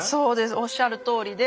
おっしゃるとおりで。